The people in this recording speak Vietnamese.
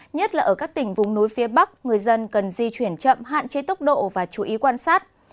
nhất là ở các tỉnh vùng núi phía bắc người dân cần di chuyển chậm hạn chế tốc độ và chú ý quan sát